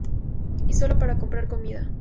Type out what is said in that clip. Y solo para comprar comida.